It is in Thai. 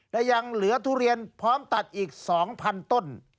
และยังเหลือทุเรียนพร้อมตัดอีก๒๐๐๐ต้น